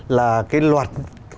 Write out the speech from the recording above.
là cái loạt